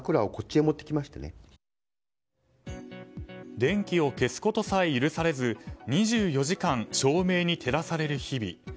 電気を消すことさえ許されず２４時間、照明に照らされる日々。